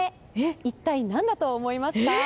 一体何だと思いますか？